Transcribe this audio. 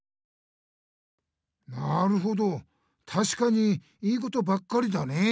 なるほどたしかにいいことばっかりだねえ！